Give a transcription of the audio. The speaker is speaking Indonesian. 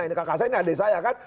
ini kakak saya ini adik saya kan